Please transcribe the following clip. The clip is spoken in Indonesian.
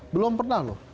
belum pernah lho